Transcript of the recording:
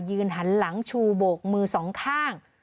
หันหลังชูโบกมือสองข้าง